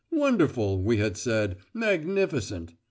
"Wonderful," we had said, "magnificent."